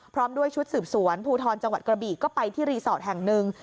พร้อมด้วยชุดสืบสวนภูทรจังหวัดกระบีก็ไปที่รีสอร์ทแห่งหนึ่ง